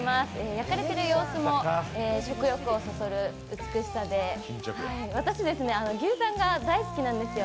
焼かれてる様子も食欲をそそる美しさで、私、牛タンが大好きなんですよ。